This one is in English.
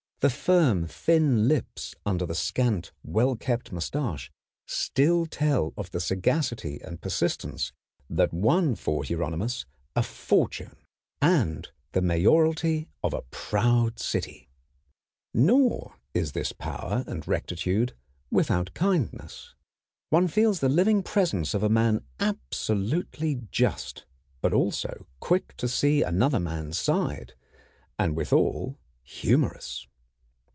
The firm, thin lips under the scant, well kept mustache still tell of the sagacity and persistence that won for Hieronymus a fortune and the mayoralty of a proud city. Nor is this power and rectitude without kindness. One feels the living presence of a man absolutely just, but also quick to see another man's side, and withal humorous.